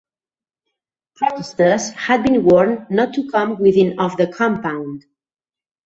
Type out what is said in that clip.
Protesters had been warned not to come within of the compound.